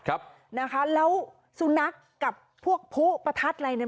ครับนะคะแล้วสุนัขกับพวกผู้ประทัดอะไรเนี่ย